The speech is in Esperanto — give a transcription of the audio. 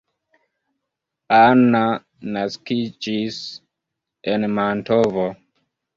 Anna naskiĝis en Mantovo.